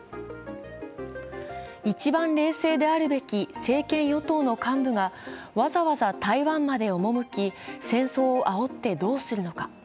一番冷静であるべき政権与党の幹部がわざわざ台湾まで赴き戦争をあおってどうするのか。